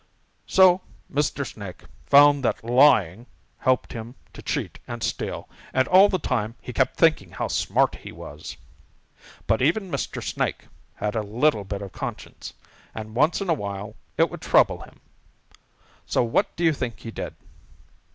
"So Mr. Snake found that lying helped him to cheat and steal, and all the time he kept thinking how smart he was. But even Mr. Snake had a little bit of conscience, and once in a while it would trouble him. So what do you think he did?